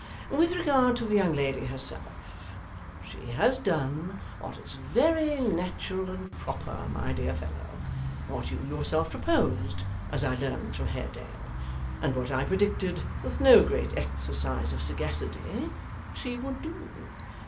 With regard to the young lady herself, she has done what is very natural and proper, my dear fellow; what you yourself proposed, as I learn from Haredale; and what I predicted with no great exercise of sagacity she would do.